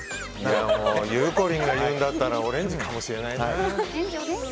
ゆうこりんが言うんだったらオレンジかもしれないな。